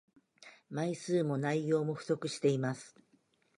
枚数も内容も不足しています